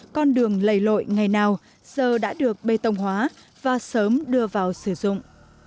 con đường lầy lội ngày nào giờ đã được bê tông hóa và sớm đưa vào sử dụng